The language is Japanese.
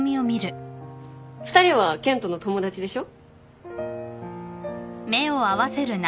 ２人は健人の友達でしょ？